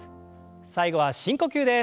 最後は深呼吸です。